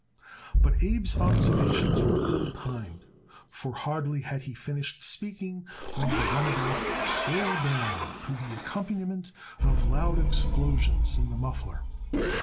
But Abe's observations were ill timed, for hardly had he finished speaking when the runabout slowed down to the accompaniment of loud explosions in the muffler.